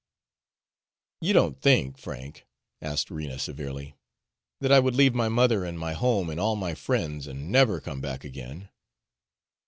"You don't think, Frank," asked Rena severely, "that I would leave my mother and my home and all my friends, and NEVER come back again?"